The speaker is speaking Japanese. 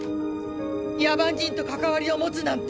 野蛮人と関わりを持つなんて。